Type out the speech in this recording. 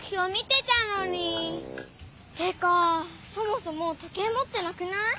てかそもそも時計もってなくない？